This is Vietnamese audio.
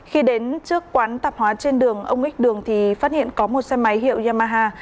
khi đến trước quán tạp hóa trên đường ông ích đường thì phát hiện có một xe máy hiệu yamaha